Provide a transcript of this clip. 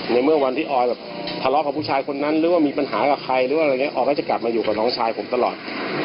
ในเมื่อวันที่ออยแบบทะเลาะกับผู้ชายคนนั้นหรือว่ามีปัญหากับใครออยก็จะกลับมาอยู่กับน้องชายผมตลอด